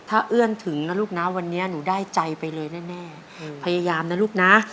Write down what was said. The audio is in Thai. ถ้าเอื้อนถึงแล้วลูกนะวันนี้หนูได้ใจไปเลยแน่